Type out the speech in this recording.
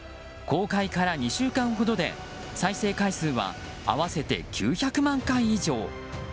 公開から２週間ほどで再生回数は合わせて９００万回以上。